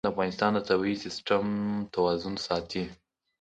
د افغانستان ولايتونه د افغانستان د طبعي سیسټم توازن ساتي.